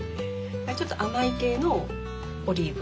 ちょっと甘い系のオリーブの実。